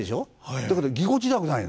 だけどぎこちなくないの。